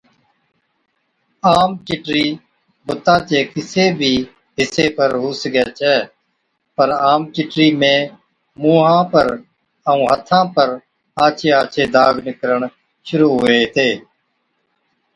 عام چِٽرِي بُتا چي ڪِسي بِي حصي پر هُو سِگھَي ڇَي، پَر عام چِٽرِي ۾ مُونهان پر ائُون هٿان پر آڇي آڇي داگ نِڪرڻ شرُوع هُوي هِتي۔